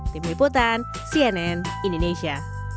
tim liputan cnn indonesia